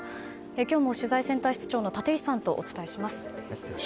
今日も取材センター室長の立石さんとお伝えします。